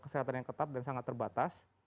kesehatan yang ketat dan sangat terbatas